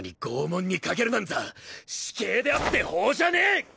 拷問にかけるなんざ私刑であって法じゃねえ！